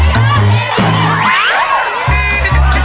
ตัดให้เยอะ